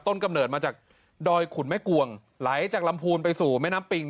กำเนิดมาจากดอยขุนแม่กวงไหลจากลำพูนไปสู่แม่น้ำปิง